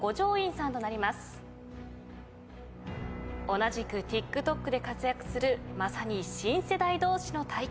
同じくＴｉｋＴｏｋで活躍するまさに新世代同士の対決。